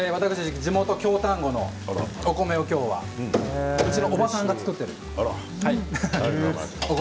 地元京丹後のお米を今日はうちのおばさんが作ってるんです。